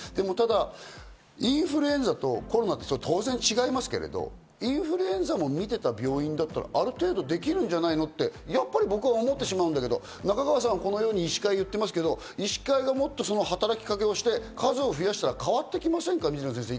ただインフルエンザとコロナって当然違いますけど、インフルエンザも診てた病院だったらある程度できるんじゃないのって、やっぱり僕は思ってしまうんだけど、中川さんはこのように医師会で言ってますけど、医師会がもっと働きかけをして数を増やせば変わってきませんか？